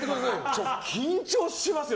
ちょっと緊張しますよ。